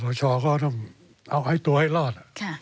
ขวาต่อช่อก็ต้องเอาตั๋วให้รอด